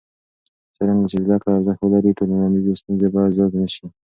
څرنګه چې زده کړه ارزښت ولري، ټولنیزې ستونزې به زیاتې نه شي.